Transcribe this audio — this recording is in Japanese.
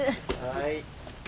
はい。